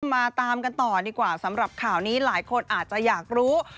มาตามกันต่อดีกว่าสำหรับข่าวนี้หลายคนอาจจะอยากรู้